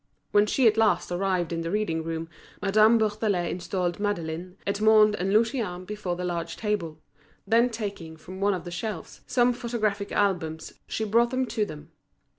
When she at last arrived in the reading room Madame Bourdelais installed Madeleine, Edmond, and Lucien before the large table; then taking from one of the shelves some photographic albums she brought them to them.